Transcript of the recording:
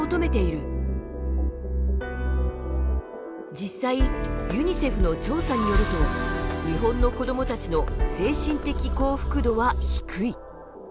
実際ユニセフの調査によると日本の子どもたちの精神的幸福度は低い。